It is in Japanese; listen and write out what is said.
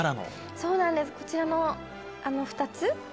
そうなんですこちらの２つ。